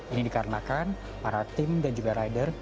ini dikarenakan para tim dan juga rider